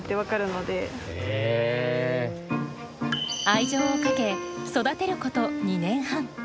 愛情をかけ育てること２年半。